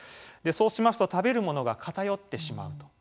そうしますと食べるものが偏ってしまうと。